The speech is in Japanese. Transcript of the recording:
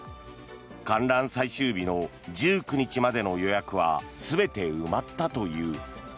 観覧最終日の１９日までの予約は全て埋まったという。